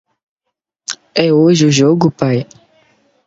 É hoje o jogo pai?